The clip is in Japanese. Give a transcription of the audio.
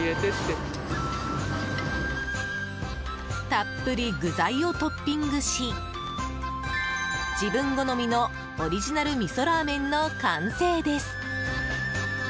たっぷり具材をトッピングし自分好みのオリジナルみそラーメンの完成です！